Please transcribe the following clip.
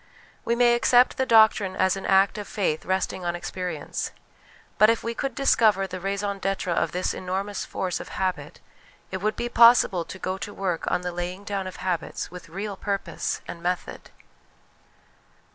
We may accept the doctrine as an act of frith resting on experience; but if we could discover the raison d'etre of this enormous force of habit It would be possible to go to work on the laying down of habits with real purpose and method.